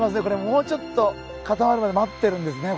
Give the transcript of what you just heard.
もうちょっと固まるまで待ってるんですね